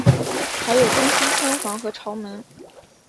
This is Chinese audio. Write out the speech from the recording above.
还有东西厢房和朝门。